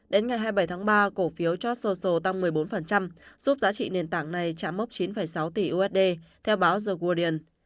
đến ngày hai mươi bảy tháng ba cổ phiếu truth social tăng một mươi bốn giúp giá trị nền tảng này chạm mốc chín sáu tỷ usd theo báo the woodian